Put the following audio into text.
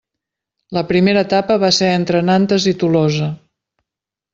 La primera etapa va ser entre Nantes i Tolosa.